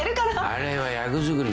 あれは役作りのためだ。